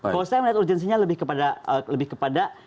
kalau saya melihat urgensinya lebih kepada